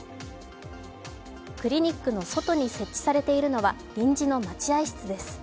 クリニックの外に設置されているのは臨時の待合室です。